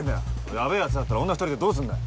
ヤベェヤツだったら女２人でどうすんだよ